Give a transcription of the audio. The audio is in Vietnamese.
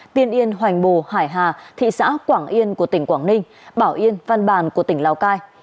tiên yên hoành bồ hải hà thị xã quảng yên của tỉnh quảng ninh bảo yên văn bàn của tỉnh lào cai